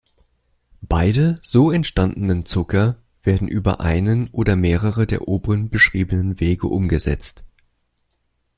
Beide so entstandenen Zucker werden über einen oder mehrere der oben beschriebenen Wege umgesetzt.